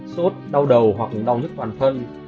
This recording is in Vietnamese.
sốt đau đầu hoặc đau nứt toàn thân